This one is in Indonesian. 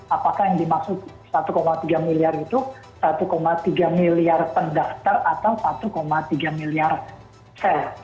apakah yang dimaksud satu tiga miliar itu satu tiga miliar pendaftar atau satu tiga miliar sel